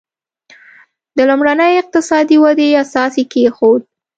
د لومړنۍ اقتصادي ودې اساس یې کېښود.